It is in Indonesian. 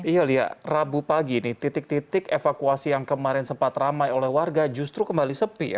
iya lia rabu pagi ini titik titik evakuasi yang kemarin sempat ramai oleh warga justru kembali sepi